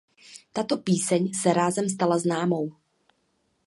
Tato píseň se rázem stala známou.